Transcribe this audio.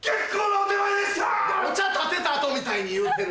お茶たてた後みたいに言うてる。